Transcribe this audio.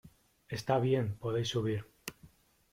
Está bien, podéis subir.